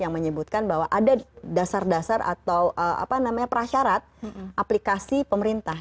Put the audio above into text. yang menyebutkan bahwa ada dasar dasar atau prasyarat aplikasi pemerintah